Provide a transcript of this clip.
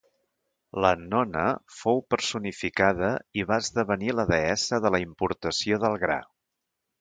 L'annona fou personificada i va esdevenir la deessa de la importació del gra.